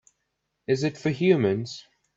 Is it for humans?